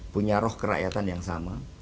punya roh kerakyatan yang sama